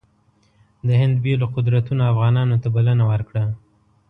د هند بېلو قدرتونو افغانانو ته بلنه ورکړه.